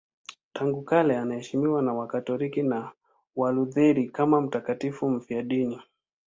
Tangu kale anaheshimiwa na Wakatoliki na Walutheri kama mtakatifu mfiadini.